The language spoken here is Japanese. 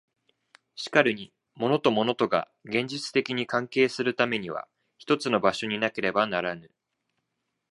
しかるに物と物とが現実的に関係するためには一つの場所になければならぬ。